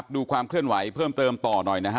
ดูความเคลื่อนไหวเพิ่มเติมต่อหน่อยนะฮะ